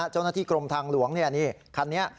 เจ้าหน้าที่กรมทางหลวงนี่คันนี้